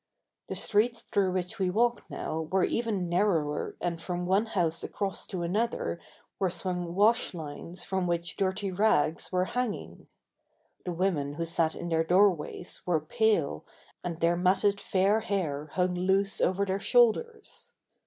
The streets through which we walked now were even narrower and from one house across to another were swung wash lines from which dirty rags were hanging. The women who sat in their doorways were pale and their matted fair hair hung loose over their shoulders.